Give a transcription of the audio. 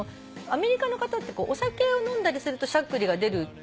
アメリカの方ってこうお酒を飲んだりするとしゃっくりが出ることが。